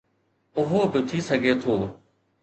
اهو به ٿي سگهي ٿو